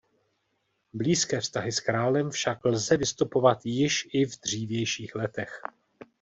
Blízké vztahy s králem však lze vystopovat již i v dřívějších letech.